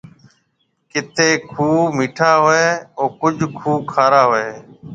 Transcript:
ڪيٿ کوھ ميٺا ھوئيَ ھيََََ ڪجھ کوھ کارا ھوئيَ ھيََََ